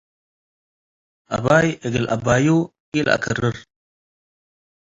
አባይ እግል አባዩ ኢለአከርር።